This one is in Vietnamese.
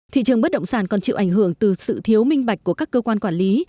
thị trường bất động sản còn chịu ảnh hưởng từ sự thiếu minh bạch của các cơ quan quản lý